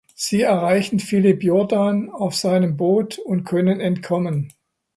Sie erreichen Philip Jordan auf seinem Boot und können entkommen.